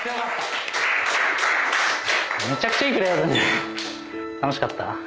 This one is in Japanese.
「良かった！